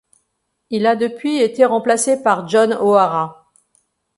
Il a depuis été remplacé par John O'Hara.